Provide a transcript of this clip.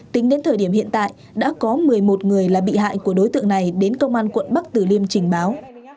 tính đến thời điểm hiện tại đã có một mươi một người là bị hại của đối tượng này đến công an quận bắc tử liêm trình báo